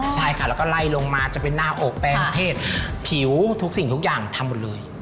ใช่ค่ะแล้วก็ไล่ลงมาจะเป็นหน้าอกแปลงเพศผิวทุกสิ่งทุกอย่างทำหมดเลย